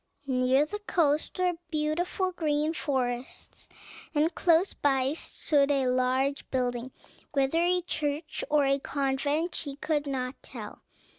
Near the coast were beautiful green forests, and close by stood a large building, whether a church or a convent she could not tell.